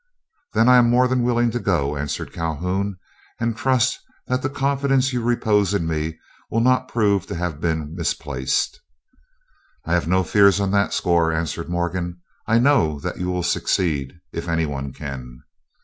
"Then I am more than willing to go," answered Calhoun, "and trust that the confidence you repose in me will not prove to have been misplaced." "I have no fears on that score," answered Morgan; "I know that you will succeed, if any one can."